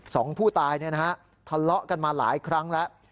สองผู้ตายทะเลาะกันมาหลายครั้งแล้ว